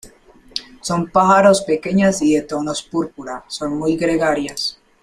Son pájaros pequeñas y de tonos púrpura, son muy gregarias.